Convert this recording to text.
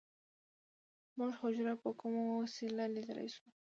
موږ حجره په کومه وسیله لیدلی شو